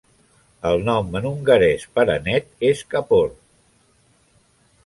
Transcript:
El nom en hongarès per "anet" és "kapor".